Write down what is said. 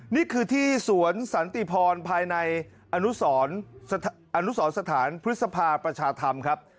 นี่คือที่สวนสันติพรภายในอนุสรสถานพฤษภาประชาธรรมครับ